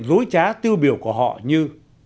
dối trá tiêu biểu của họ như